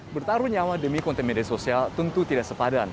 bertaruh nyawa demi kontaminer sosial tentu tidak sepadan